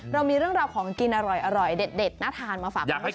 เรามีเรื่องราวของกินอร่อยเด็ดน่าทานมาฝากคุณผู้ชม